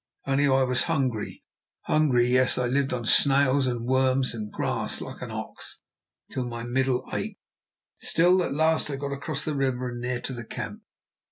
Only I was hungry, hungry; yes, I lived on snails and worms, and grass like an ox, till my middle ached. Still, at last I got across the river and near to the camp.